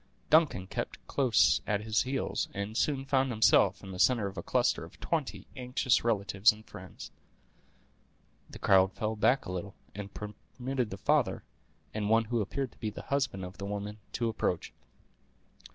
Duncan kept close at his heels, and soon found himself in the center of a cluster of twenty anxious relatives and friends. The crowd fell back a little, and permitted the father, and one who appeared to be the husband of the woman, to approach.